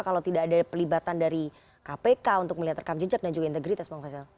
kalau tidak ada pelibatan dari kpk untuk melihat rekam jejak dan juga integritas bang faisal